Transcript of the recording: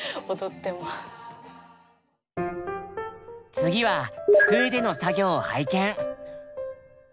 次は机での作業を拝見。